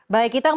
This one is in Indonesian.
baik kita mau